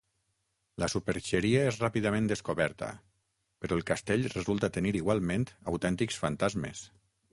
La superxeria és ràpidament descoberta, però el castell resulta tenir igualment autèntics fantasmes.